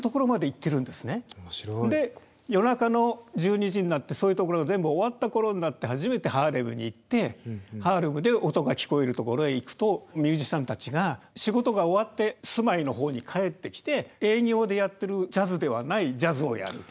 で夜中の１２時になってそういう所が全部終わった頃になって初めてハーレムに行ってハーレムで音が聞こえる所へ行くとミュージシャンたちが仕事が終わって住まいの方に帰ってきて営業でやってるジャズではないジャズをやる。